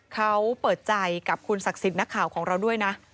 เขาเปิดใจกับคุณศักดิ์สิทธิ์นักข่าวของเราด้วยนะ